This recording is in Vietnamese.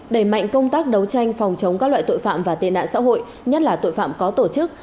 đẩy mạnh công tác đấu tranh phòng chống các loại tội phạm và tên nạn xã hội nhất là tội phạm có tổ chức